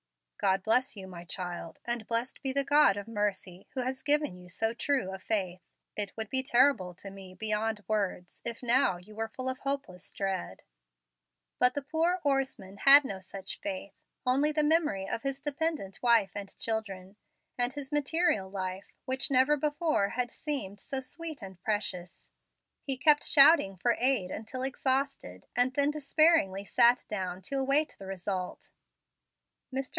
"God bless you, my child; and blessed be the God of mercy who has given you so true a faith. It would be terrible to me beyond words if now you were full of hopeless dread." But the poor oarsman had no such faith, only the memory of his dependent wife and children, and his material life, which never before had seemed so sweet and precious. He kept shouting for aid until exhausted, and then despairingly sat down to await the result. Mr.